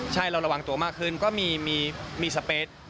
ใช่เราระวังตัวมากขึ้นก็มีสเปส